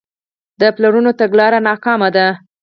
د پلانرانو تګلاره ناکامه ده.